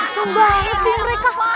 besong banget sih mereka